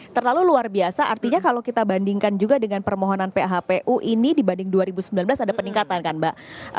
terlalu luar biasa artinya kalau kita bandingkan juga dengan permohonan phpu ini dibanding dua ribu sembilan belas ada peningkatan kan mbak